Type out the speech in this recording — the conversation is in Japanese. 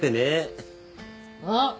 あっ！